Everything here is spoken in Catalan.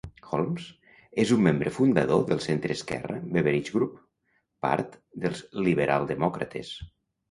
Holmes és un membre fundador del centre-esquerra "Beveridge Group", part dels Liberal Demòcrates.